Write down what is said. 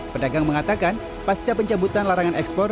pedagang mengatakan pasca pencabutan larangan ekspor